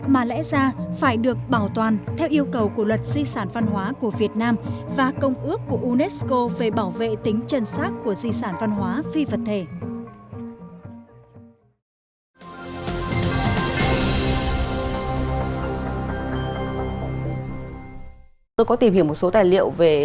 mà lẽ ra phải được bảo toàn theo yêu cầu của luật di sản văn hóa của việt nam và công ước của unesco về bảo vệ tính chân sát của di sản văn hóa phi vật thể